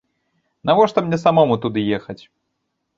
Навошта мне самому туды ехаць?